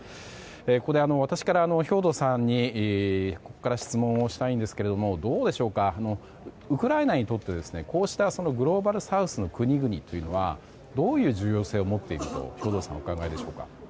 ここで、私から兵頭さんに質問をしたいんですけどもどうでしょうかウクライナにとってこうしたグローバルサウスの国々というのはどういう重要性を持っていると兵頭さんはお考えでしょうか？